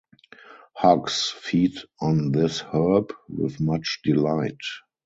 Hogs feed on this herb with much delight.